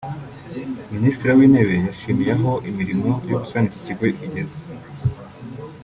Minisitiri w’intebe yashimye aho imirimo yo gusana iki kigo igeze